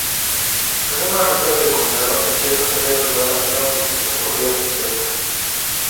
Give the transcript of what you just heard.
Algunas rutas de condado en ciertas áreas urbanas son autopistas o vías expresas.